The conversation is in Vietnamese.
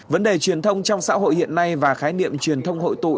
vấn đề truyền thông trong xã hội hiện nay và khái niệm truyền thông hội tụ